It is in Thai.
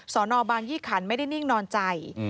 สอนอบางยี่ขันไม่ได้นิ่งนอนใจ